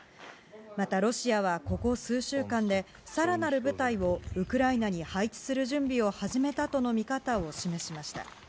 またロシアはここ数週間で、さらなる部隊をウクライナに配置する準備を始めたとの見方を示しました。